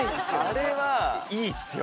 あれはいいっすよ。